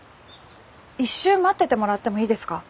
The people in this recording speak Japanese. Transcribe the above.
一瞬待っててもらってもいいですか？